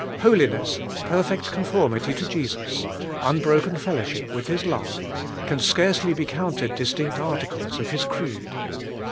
Holiness, perfect conformity to Jesus, unbroken fel 216 ABIDE IN CHRIST: lowship with His love, can scarcely be counted dis tinct articles of his creed.